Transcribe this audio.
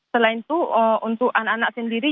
selain itu untuk anak anak sendiri